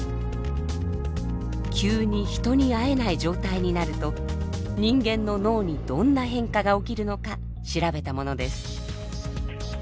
急に人に会えない状態になると人間の脳にどんな変化が起きるのか調べたものです。